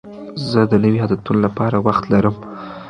زه د نویو عادتونو لپاره وخت لرم.